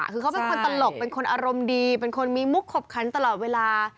คือเขาเป็นคนตลกเป็นคนอารมณ์ดีเป็นคนมีมุกขบคันตลอดเวลา